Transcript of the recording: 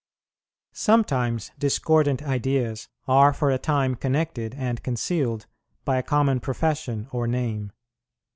Sometimes discordant ideas are for a time connected and concealed by a common profession or name.